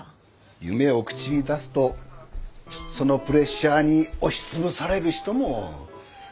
夢を口に出すとそのプレッシャーに押し潰される人もそりゃあいますよ。